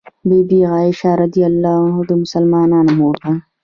بي بي عائشه رض د مسلمانانو مور ده